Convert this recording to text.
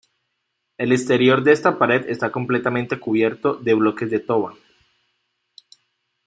El exterior de esta pared está completamente cubierto de bloques de toba.